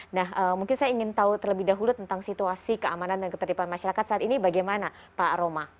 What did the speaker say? nah mungkin saya ingin tahu terlebih dahulu tentang situasi keamanan dan ketertiban masyarakat saat ini bagaimana pak roma